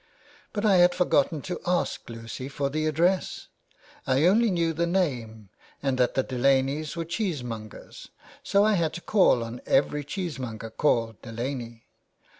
But I had forgotten to ask Lucy for the address. I only knew the name, and that the Delaneys were cheese mongers, so I had to call on every cheese monger called Delaney.